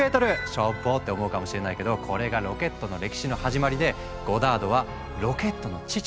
「しょぼ！」って思うかもしれないけどこれがロケットの歴史の始まりでゴダードは「ロケットの父」って呼ばれている。